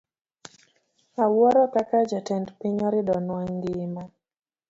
Awuoro kaka jatend piny oridonwa ngima.